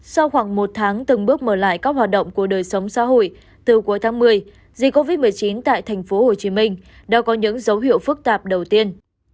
sau khoảng một tháng từng bước mở lại các hoạt động của đời sống xã hội từ cuối tháng một mươi dịch covid một mươi chín tại tp hcm đã có những dấu hiệu phức tạp đầu tiên